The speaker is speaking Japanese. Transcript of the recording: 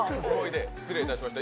失礼いたしました。